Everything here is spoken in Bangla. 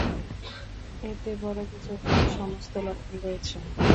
এতে বড় কিছু হওয়ার সমস্ত লক্ষণ রয়েছে।